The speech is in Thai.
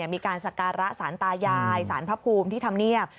มีการสการะสารตายายสารพระภูมิที่ทำเนียบ